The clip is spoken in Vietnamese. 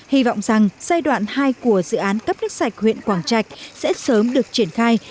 hy vọng rằng giai đoạn hai của dự án cấp nước sạch huyện quảng trạch sẽ sớm được triển khai